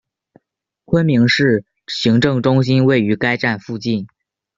昆明市行政中心位于该站附近。